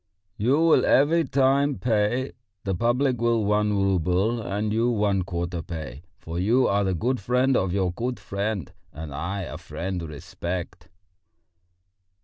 "You will every time pay; the public will one rouble, and you one quarter pay; for you are the good friend of your good friend; and I a friend respect...."